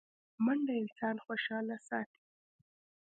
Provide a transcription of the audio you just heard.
منډه انسان خوشحاله ساتي